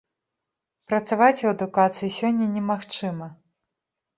Працаваць у адукацыі сёння немагчыма.